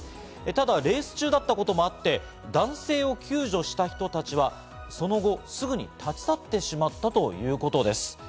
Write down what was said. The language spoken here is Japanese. ただ、レース中だったこともあって男性を救助した人たちはその後すぐに立ち去ってしまったということです。